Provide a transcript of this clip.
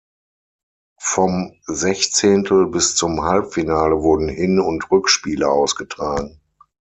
Vom Sechzehntel- bis zum Halbfinale wurden Hin- und Rückspiele ausgetragen.